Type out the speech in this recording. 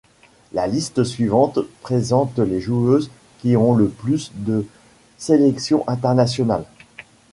La liste suivante présente les joueuses qui ont le plus de sélections internationales.